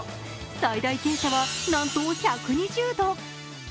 最大傾斜はなんと１２０度。